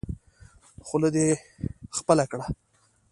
خوله دې خپله کړه.